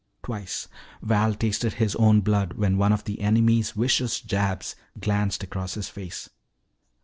Twice Val tasted his own blood when one of the enemy's vicious jabs glanced along his face.